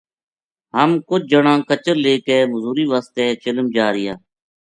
ہم کُج جنا کچر لے کے مزوری واسطے چلم جا رہیا